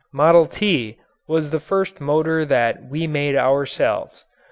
"Model T" was the first motor that we made ourselves.